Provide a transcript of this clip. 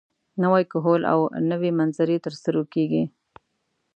نوی کهول او نوې منظرې تر سترګو کېږي.